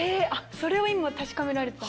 それを今確かめられてた？